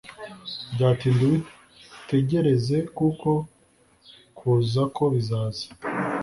byatinda ubitegereze kuko kuza ko bizaza